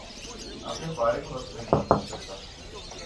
اپنے فارغ وقت میں بہت کچھ کرتا ہوں